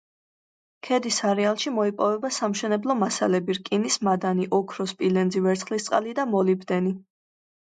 ქედის არეალში მოიპოვება სამშენებლო მასალები, რკინის მადანი, ოქრო, სპილენძი, ვერცხლისწყალი და მოლიბდენი.